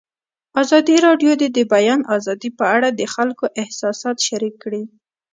ازادي راډیو د د بیان آزادي په اړه د خلکو احساسات شریک کړي.